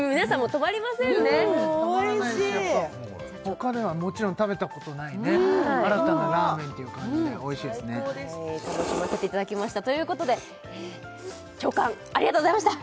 止まらないしやっぱほかではもちろん食べたことない新たなラーメンっていう感じでおいしいですね楽しませていただきましたということで長官ありがとうございました！